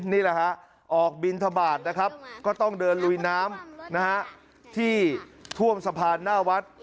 นี่แหละออกบินธบาทต้องเดินลุยน้ำที่ท่วมสะพานหน้าวัด